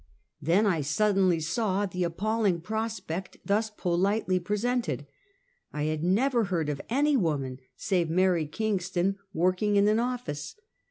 Then I suddenly saw the appalling prospect thus politely presented. I had never heard of any woman save Mary Kingston working in an office.